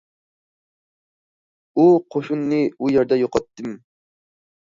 ئۇ قوشۇننى ئۇ يەردە يوقاتتىم.